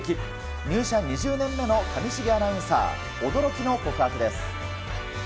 入社２０年目の上重アナウンサー、驚きの告白です。